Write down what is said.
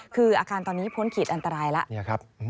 คืออาการตอนนี้พ้นขีดอันตรายแล้ว